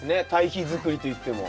堆肥づくりといっても。